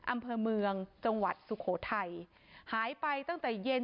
อำเภอเมืองจังหวัดสุโขทัยหายไปตั้งแต่เย็น